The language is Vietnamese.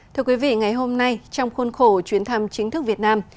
thưa quý vị ngày hôm nay trong khuôn khổ chuyến thăm chính thức việt nam